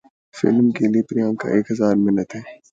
film میں کام کیلئے پریانکا کی ایک ہزار منتیں